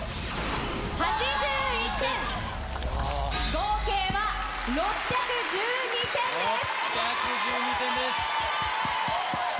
合計は６１２点です。